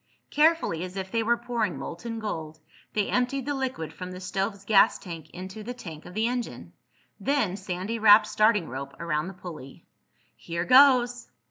Carefully, as if they were pouring molten gold, they emptied the liquid from the stove's gas tank into the tank of the engine. Then Sandy wrapped starting rope around the pulley. "Here goes!"